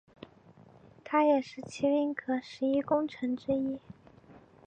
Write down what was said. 他也是麒麟阁十一功臣之一。